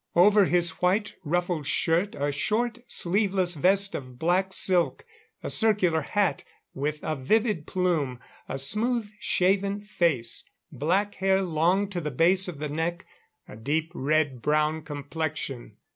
Over his white ruffled shirt, a short sleeveless vest of black silk. A circular hat, with a vivid plume. A smooth shaven face; black hair long to the base of the neck; a deep, red brown complexion.